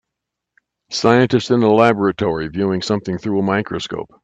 Scientist in a laboratory, viewing something through a microscope.